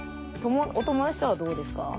お友達とはどうですか？